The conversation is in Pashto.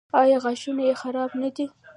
ایا غاښونه یې خراب نه دي؟